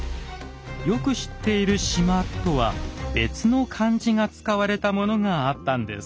よく知っている「縞」とは別の漢字が使われたものがあったんです。